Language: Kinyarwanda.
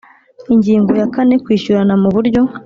Ingingo ya kane Kwishyurana mu buryo